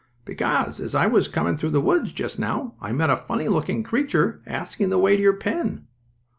"Because, as I was coming through the woods just now I met a funny looking creature asking the way to your pen."